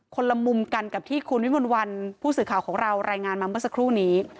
ละมุมกันกับที่คุณวิมลวันผู้สื่อข่าวของเรารายงานมาเมื่อสักครู่นี้